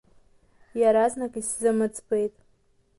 Иаразнак исзымӡбеит.